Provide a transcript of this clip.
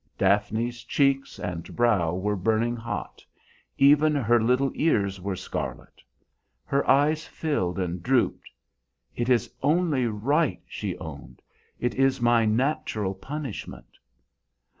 Daphne's cheeks and brow were burning hot; even her little ears were scarlet. Her eyes filled and drooped. "It is only right," she owned. "It is my natural punishment."